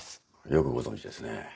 よくご存じですね